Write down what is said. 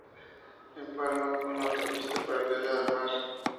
Empalma con la Autopista Paralela al Mar.